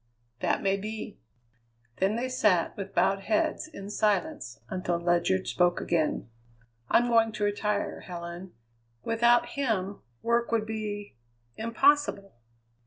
"That may be." Then they sat with bowed heads in silence, until Ledyard spoke again. "I'm going to retire, Helen. Without him, work would be impossible.